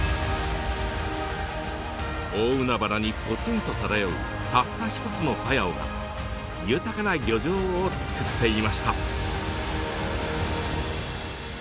大海原にぽつんと漂うたった一つのパヤオが豊かな漁場を作っていました。